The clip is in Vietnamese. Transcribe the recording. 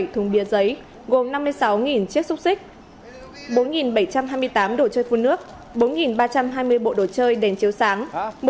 một mươi thùng bia giấy gồm năm mươi sáu chiếc xúc xích bốn bảy trăm hai mươi tám đồ chơi phun nước bốn ba trăm hai mươi bộ đồ chơi đèn chiếu sáng